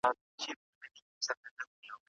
پلان جوړول د کار نيمه بريا ده.